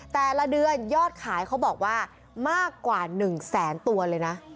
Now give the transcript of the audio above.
แต่ละเดือนยอดขายเขาบอกว่ามากกว่า๑แสนตัวเลยนะ